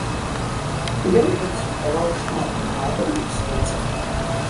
Ён кансультаваў шмат урадаў у свеце.